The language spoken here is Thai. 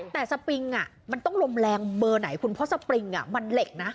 แต่สปริงมันต้องลมแรงเบอร์ไหนคุณเพราะสปริงมันเหล็กนะ